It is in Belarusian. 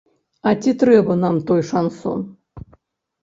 А ці трэба нам той шансон?